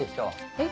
えっ？